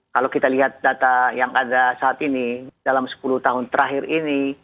kalau kita lihat data yang ada saat ini dalam sepuluh tahun terakhir ini